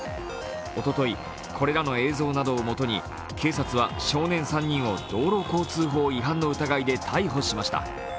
おととい、これらの映像などをもとに警察は少年３人を道路交通法違反の疑いで逮捕しました。